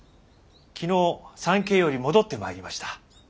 昨日参詣より戻ってまいりました。